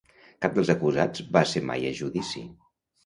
Cap dels acusats va ser mai a judici.